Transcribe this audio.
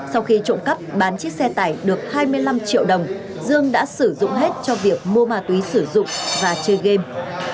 sau khi trộm cắp bán chiếc xe tải được hai mươi năm triệu đồng dương đã sử dụng hết cho việc mua ma túy sử dụng và chơi game